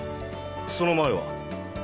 その前は？